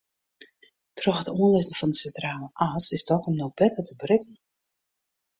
Troch it oanlizzen fan de Sintrale As is Dokkum no better te berikken.